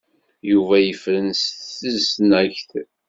Yuba yefren s tesnagt.